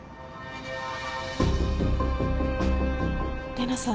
玲奈さん。